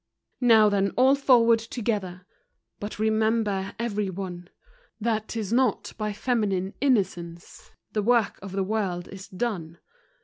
Now then, all forward together! But remember, every one, That 'tis not by feminine innocence The work of the world is done.